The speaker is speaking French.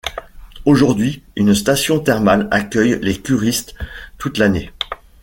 Aujourd’hui une station thermale accueille les curistes toute l’année.